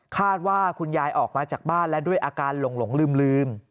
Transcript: คาดว่าคุณยายออกมาจากบ้านและด้วยอาการหลงลืม